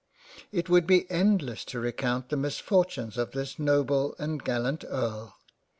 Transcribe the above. It would be endless to recount the misfortunes of this noble and gallant Earl.